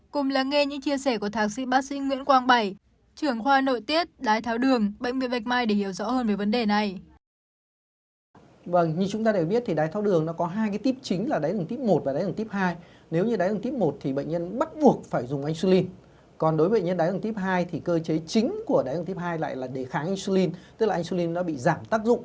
cùng lắng nghe những chia sẻ của thạc sĩ bác sĩ nguyễn quang bảy trưởng khoa nội tiết đài tháo đường bệnh viện vạch mai để hiểu rõ hơn về vấn đề này